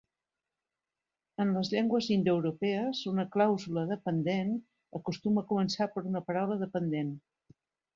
En les llengües indoeuropees una clàusula dependent acostuma a començar per una paraula dependent.